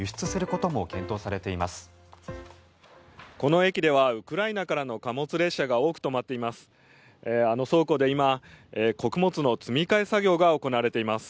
この駅ではウクライナからの貨物列車が多く止まっています。